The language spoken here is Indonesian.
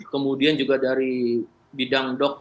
kemudian juga dari bidang dok